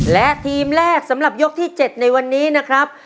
และทีมแรกสำหรับยกที่๗ในวันนี้นะครับ